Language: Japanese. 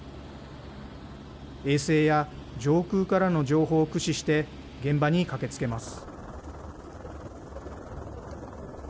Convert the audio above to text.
衛星や上空からの情報を駆使して、現場に駆けつけます。